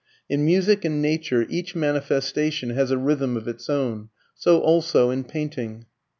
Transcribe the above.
In music and nature each manifestation has a rhythm of its own, so also in painting.